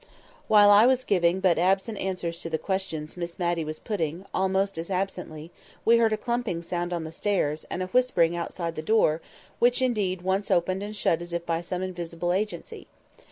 While I was giving but absent answers to the questions Miss Matty was putting—almost as absently—we heard a clumping sound on the stairs, and a whispering outside the door, which indeed once opened and shut as if by some invisible agency.